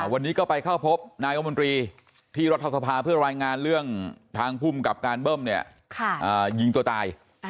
วันนี้ก็ไปเข้าพบนายมนตรีที่รัฐสภาเพื่อรายงานเรื่องทางภูมิกับการเบิ้มเนี่ยยิงตัวตาย